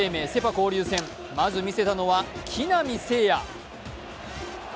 交流戦まず見せたのは木浪聖也。